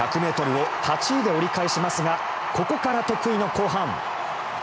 １００ｍを８位で折り返しますがここから得意の後半。